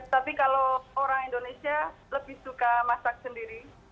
tapi kalau orang indonesia lebih suka masak sendiri